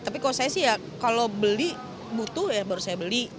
tapi kalau saya sih ya kalau beli butuh ya baru saya beli